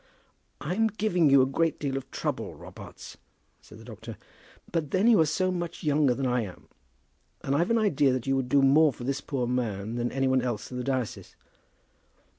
"I'm giving you a great deal of trouble, Robarts," said the doctor; "but then you are so much younger than I am, and I've an idea that you would do more for this poor man than any one else in the diocese."